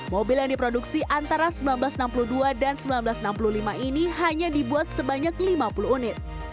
mobil yang diproduksi antara seribu sembilan ratus enam puluh dua dan seribu sembilan ratus enam puluh lima ini hanya dibuat sebanyak lima puluh unit